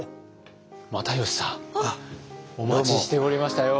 お待ちしておりましたよ。